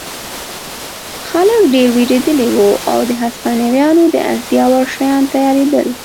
خلک ډېر وېرېدلي وو او د هسپانویانو د اړتیا وړ شیان تیارېدل.